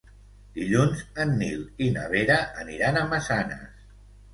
Dilluns en Nil i na Vera aniran a Massanes.